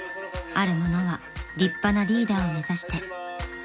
［ある者は立派なリーダーを目指して］